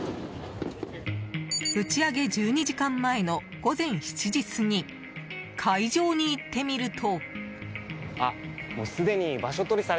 打ち上げ１２時間前の午前７時過ぎ会場に行ってみると。